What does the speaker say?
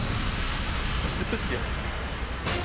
どうしよう。